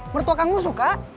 mertua kangmu suka